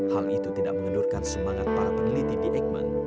hal itu tidak mengendurkan semangat para peneliti di eijkman